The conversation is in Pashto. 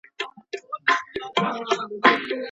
قلمي خط د فکري رکود مخه نیسي.